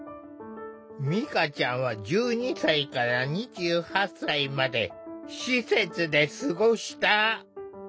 みかちゃんは１２歳から２８歳まで施設で過ごした。